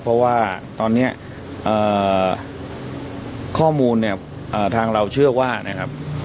เพราะว่าตอนนี้ข้อมูลเนี่ยทางเราเชื่อว่านะครับ